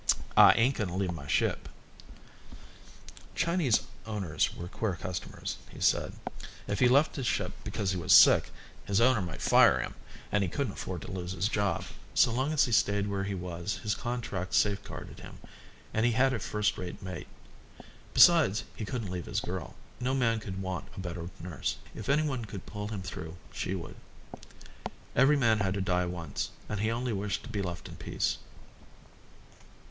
"I ain't going to leave my ship." Chinese owners were queer customers, he said; if he left his ship because he was sick, his owner might fire him, and he couldn't afford to lose his job. So long as he stayed where he was his contract safe guarded him, and he had a first rate mate. Besides, he couldn't leave his girl. No man could want a better nurse; if anyone could pull him through she would. Every man had to die once and he only wished to be left in peace.